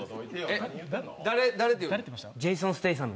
ジェイソン・ステイサム。